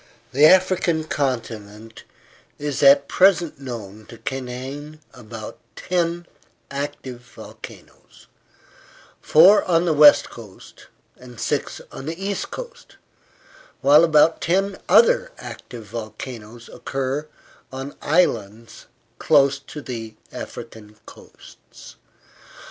The African continent is at present known to contain about ten active volcanoes four on the west coast, and six on the east coast, while about ten other active volcanoes occur on islands close to the African coasts.